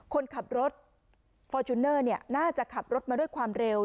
คนขับรถฟอร์จูเนอร์น่าจะขับรถมาด้วยความเร็ว